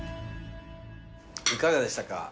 いかがでしたか？